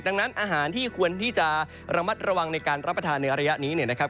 ดังนั้นอาหารที่ควรที่จะระมัดระวังในการรับประทานในระยะนี้เนี่ยนะครับ